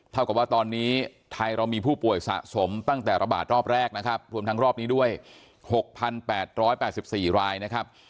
เท่ากับว่าตอนนี้ไทยเรามีผู้ป่วยสะสมตั้งแต่ระบาดรอบแรกนะครับรวมทั้งรอบนี้ด้วย๖๘๘๔รายนะครับ